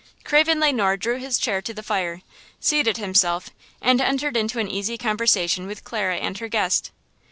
Craven Le Noir drew his chair to the fire, seated himself and entered into an easy conversation with Clara and her guest.